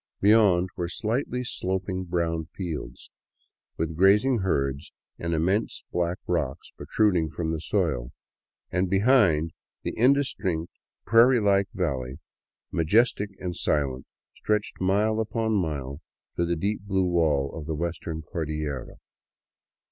Beyond were slightly sloping brown fields, with grazing herds and immense black rocks protruding from the soil, and behind, the indistinct, prairie like valley, majestic and silent, stretched mile upon mile to the deep blue wall of the Western Cordillera.